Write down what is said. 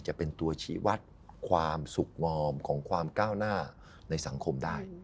จะเป็นตัวชีวัตรความสุขงอมของความก้าวหน้าในสังคมได้